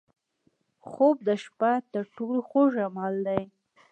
خوب د شپه تر ټولو خوږ عمل دی